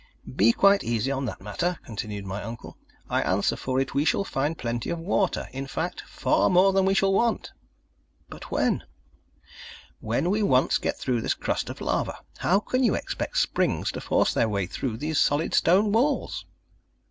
"Be quite easy on that matter," continued my uncle. "I answer for it we shall find plenty of water in fact, far more than we shall want." "But when?" "When we once get through this crust of lava. How can you expect springs to force their way through these solid stone walls?"